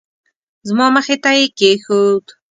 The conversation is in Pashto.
زما مخې ته یې کېښود.